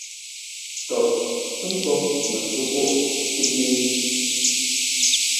To, sampa ma suku capiin.